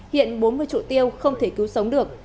hiện bốn mươi trụ tiêu không thể cứu sống được